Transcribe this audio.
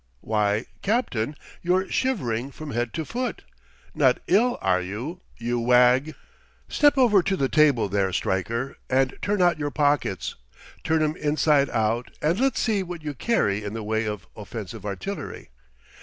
Why, Captain, you're shivering from head to foot! Not ill are you, you wag? Step over to the table there, Stryker, and turn out your pockets; turn 'em inside out and let's see what you carry in the way of offensive artillery.